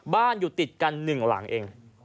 บ้านอยู่ติดกันหนึ่งหลังเอง